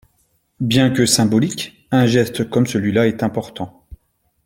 Bien que symbolique, un geste comme celui-là est important.